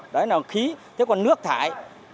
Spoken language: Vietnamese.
đấy là khí thế còn nước thải